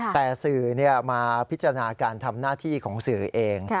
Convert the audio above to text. แต่สื่อมาพิจารณาการทำหน้าที่ของสื่อเอง